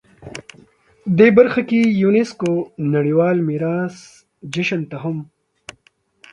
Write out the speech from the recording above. دې برخه کې یونسکو نړیوال میراث جشن ته هم